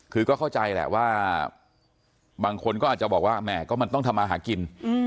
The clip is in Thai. คือก็เข้าใจแหละว่าบางคนก็อาจจะบอกว่าแหม่ก็มันต้องทำมาหากิน